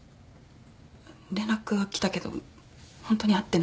連絡は来たけどホントに会ってないんです。